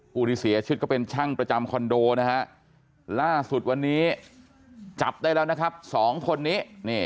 ผู้ที่เสียชีวิตก็เป็นช่างประจำคอนโดนะฮะล่าสุดวันนี้จับได้แล้วนะครับสองคนนี้